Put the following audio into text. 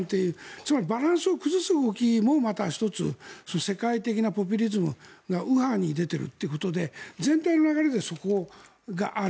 つまりバランスを崩す動きもまた１つ世界的なポピュリズムが右派に出ているということで全体の流れでそこがある。